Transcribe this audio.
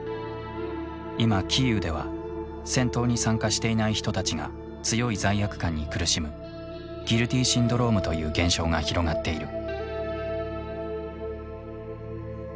今キーウでは戦闘に参加していない人たちが強い罪悪感に苦しむギルティシンドロームという現象が広がっている。